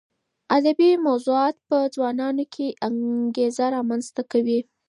ادبي موضوعات په ځوانانو کې انګېزه رامنځته کوي.